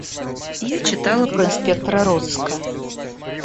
Я читала про инспектора розыска.